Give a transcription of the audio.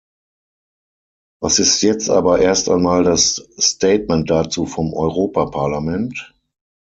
Was ist jetzt aber erst einmal das Statement dazu vom Europaparlament?